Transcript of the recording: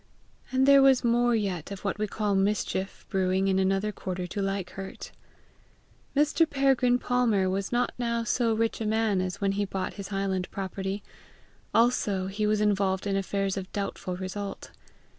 And there was more yet of what we call mischief brewing in another quarter to like hurt. Mr. Peregrine Palmer was not now so rich a man as when he bought his highland property; also he was involved in affairs of doubtful result.